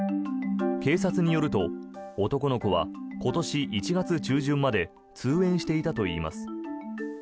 警察によると男の子は今年１月中旬まで通園していたといいます。